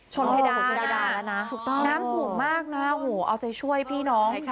ชนไฮดานะน้ำสูงมากนะเอาใจช่วยพี่น้อง